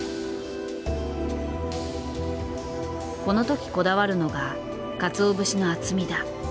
この時こだわるのがかつお節の厚みだ。